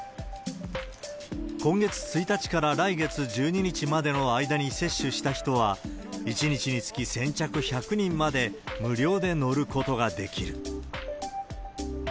今月１日から来月１２日までの間に接種した人は、１日につき先着１００人まで無料で乗ることができる。